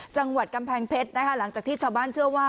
จังหวัดกำแพงเพชรนะคะหลังจากที่ชาวบ้านเชื่อว่า